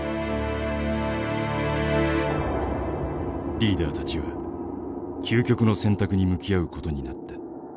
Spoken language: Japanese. リーダーたちは究極の選択に向き合うことになった。